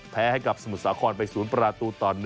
แพ้ให้กับสมุทรสาครไป๐ประตูต่อ๑